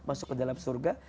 masuk ke dalam surga